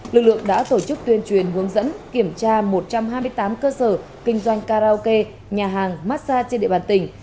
lực lượng đã tổ chức tuyên truyền hướng dẫn kiểm tra một trăm hai mươi tám cơ sở kinh doanh karaoke nhà hàng massage trên địa bàn tỉnh